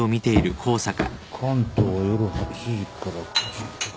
関東は夜８時から９時か。